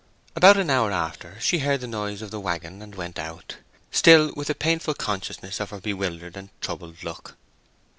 About an hour after, she heard the noise of the waggon and went out, still with a painful consciousness of her bewildered and troubled look.